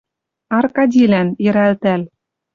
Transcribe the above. Аркадилӓн, йӹрӓлтӓл.